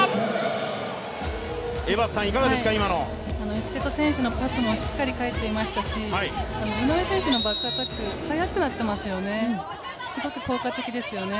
内瀬戸選手のパスもしっかり返っていましたし、井上選手のバックアタック、速くなっていますよね。